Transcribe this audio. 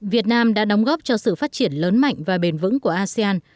việt nam đã đóng góp cho sự phát triển lớn mạnh và bền vững của asean